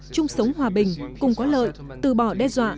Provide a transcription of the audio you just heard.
chung sống hòa bình cùng có lợi từ bỏ đe dọa